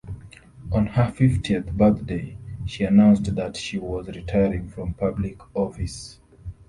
On her fiftieth birthday she announced that she was retiring from public office.